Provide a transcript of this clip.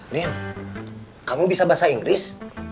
nian kamu bisa bahasa inggris